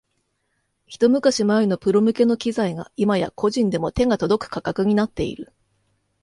ひと昔前のプロ向けの機材が今や個人でも手が届く価格になっている